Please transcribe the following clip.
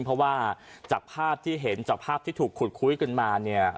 เพราะว่าจากภาพที่เห็นจากภาพที่ถูกขุดคุยกันมาเนี่ย